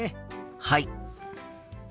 はい。